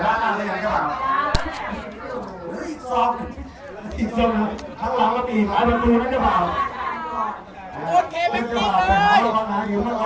งานนี้คุณบอกว่าคุณบูพลุกจะให้ทำอะไรนะครับ